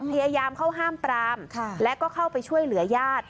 พยายามเข้าห้ามปรามแล้วก็เข้าไปช่วยเหลือญาติ